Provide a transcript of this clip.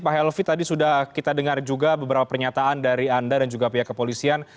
pak helvi tadi sudah kita dengar juga beberapa pernyataan dari anda dan juga pihak kepolisian